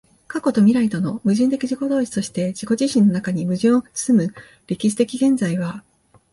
過去と未来との矛盾的自己同一として自己自身の中に矛盾を包む歴史的現在は、